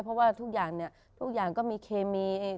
เพราะว่าทุกอย่างเนี่ยทุกอย่างก็มีเคมีเอง